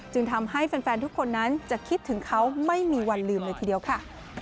ทำให้แฟนทุกคนนั้นจะคิดถึงเขาไม่มีวันลืมเลยทีเดียวค่ะ